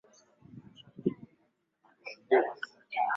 Maneno yaliyonenwa ni ya muhimu sana